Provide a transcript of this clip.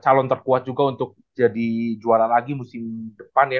calon terkuat juga untuk jadi juara lagi musim depan ya